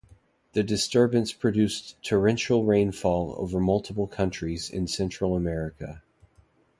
The disturbance produced torrential rainfall over multiple countries in Central America.